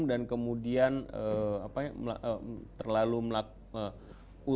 dan kemudian apa ya terlalu ultra segala sesuatu